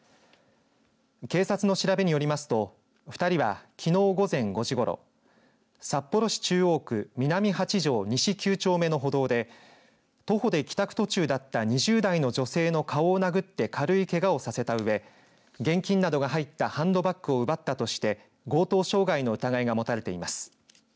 警察の調べによりますと２人は、きのう午前５時ごろ札幌市中央区南８条西９丁目の歩道で徒歩で帰宅途中だった２０代の女性の顔を殴って軽いけがをさせたうえ現金などが入ったハンドバッグを奪ったとして強盗傷害の疑いがもたれています。